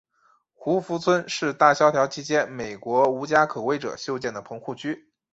胡佛村是大萧条期间美国无家可归者修建的棚户区。